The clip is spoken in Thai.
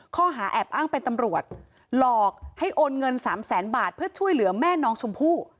ข้อหาแอบอ้างเป็นตำรวจหลอกให้โอนเงิน๓แสนบาทเพื่อช่วยเหลือแม่น้องชมพู่